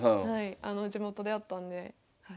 地元であったんで。